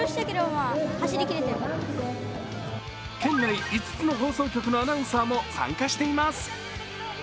県内５つの放送局のアナウンサーも参加しています。